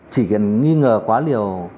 chỉ cần nghi ngờ quá liều